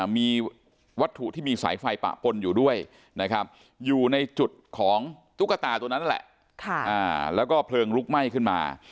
มีวัตถุที่มีสายไฟปะปนอยู่ด้วยนะครับอยู่ในจุดของตุ๊กตาตัวนั้นนั่นแหละแล้วก็เพลิงลุกไหม้ขึ้นมา